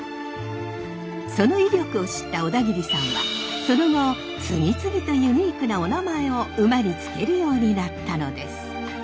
その威力を知った小田切さんはその後次々とユニークなおなまえを馬に付けるようになったのです。